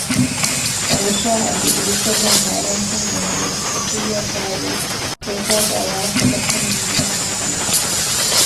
އައިޝާ އަދި އީޝަލްއަށް ހައިރާންކަން ގެނުވީ ސޮފިއްޔާ ކައިރީ ސޯފާގައި ވާހަކަދައްކަން އިން ޒުވާނާ ފެނިފަ